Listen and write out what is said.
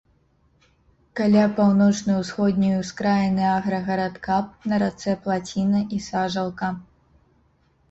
Каля паўночна-ўсходняй ускраіны аграгарадка на рацэ плаціна і сажалка.